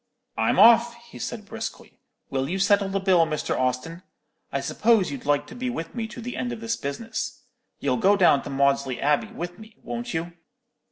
"'I'm off,' he said, briskly. 'Will you settle the bill, Mr. Austin? I suppose you'd like to be with me to the end of this business. You'll go down to Maudesley Abbey with me, won't you?'